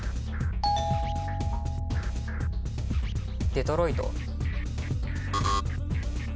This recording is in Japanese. デトロイト。